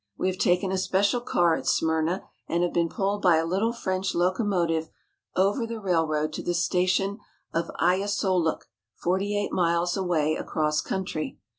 We have taken a special car at Smyrna and have been pulled by a little French locomotive over the railroad to the station of Ayasoluk forty eight miles away across country.